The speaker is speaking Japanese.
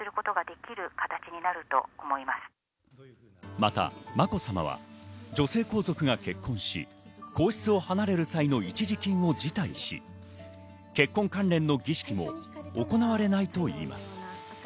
また、まこさまは女性皇族が結婚し皇室を離れる際の一時金を辞退し、結婚関連の儀式も行われないといいます。